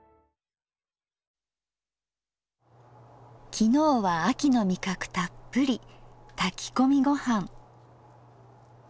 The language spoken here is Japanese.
昨日は秋の味覚たっぷりたきこみごはん。